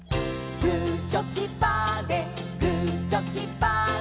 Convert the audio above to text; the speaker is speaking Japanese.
「グーチョキパーでグーチョキパーで」